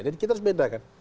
jadi kita harus bedakan